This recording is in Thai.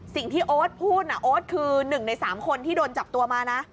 โอ๊ตพูดโอ๊ตคือ๑ใน๓คนที่โดนจับตัวมานะ